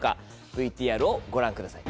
ＶＴＲをご覧ください。